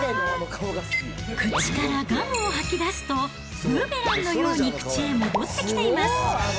口からガムを吐き出すと、ブーメランのように口へ戻ってきています。